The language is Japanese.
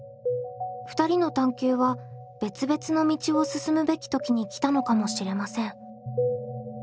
２人の探究は別々の道を進むべき時に来たのかもしれません。